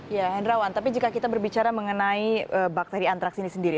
ya hendrawan tapi jika kita berbicara mengenai bakteri antraks ini sendiri